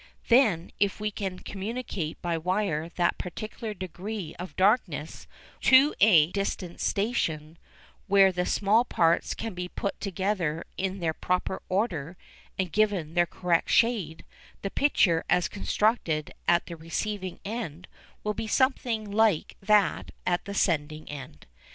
Then, if we can communicate by wire that particular degree of darkness to a distant station, where the small parts can be put together in their proper order and given their correct shade, the picture as constructed at the receiving end will be something like that at the sending end.